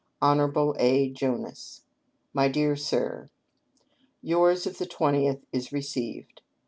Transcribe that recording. Hon. A. Jonas. " My Dear Sir: " Yours of the 20th is received.